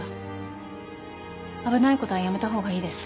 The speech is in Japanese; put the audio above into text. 危ないことはやめた方がいいです。